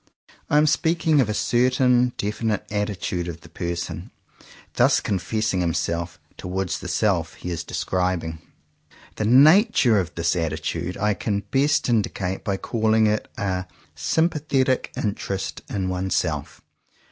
I am speaking of a certain 15 CONFESSIONS OF TWO BROTHERS definite attitude of the person thus con fessing himself, towards the self he is des cribing. The nature of this attitude I can best indicate, by calling it a sympathetic interest in oneself.